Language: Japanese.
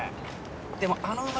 でもあの馬